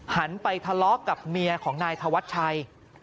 หันไปทะเลาะกับเมียของนายธวัชชัย